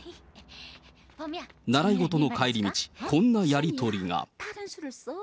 習い事の帰り道、こんなやり取りが。